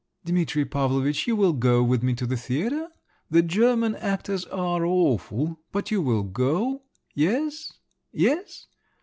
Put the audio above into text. "Dimitri Pavlovitch, you will go with me to the theatre? the German actors are awful, but you will go … Yes? Yes?